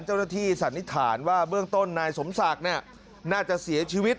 สันนิษฐานว่าเบื้องต้นนายสมศักดิ์น่าจะเสียชีวิต